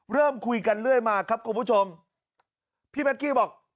เริ่มคุยกันเรื่อยมาครับคุณผู้ชมพี่แม็กกี้บอก